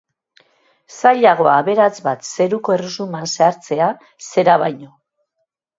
Zailagoa aberats bat zeruko erresuman sartzea zera baino.